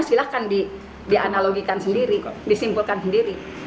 silahkan dianalogikan sendiri disimpulkan sendiri